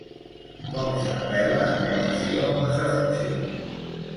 Com s'apel·la en relació amb les afeccions?